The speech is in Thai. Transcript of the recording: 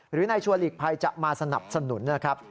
หรือนายชัวร์หลีกภัยจะมาสนับสนุนนะครับ